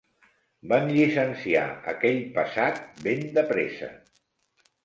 Van llicenciar aquell pesat ben de pressa.